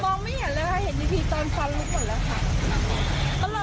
แล้วมีขัดมีดีดีเกิดไหม